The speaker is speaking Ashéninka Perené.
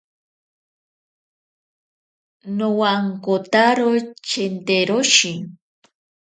Nowankotaro chenteroshi.